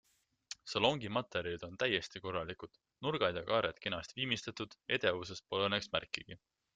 Salongi materjalid on täiesti korralikud, nurgad ja kaared kenasti viimistletud, edevusest pole õnneks märkigi.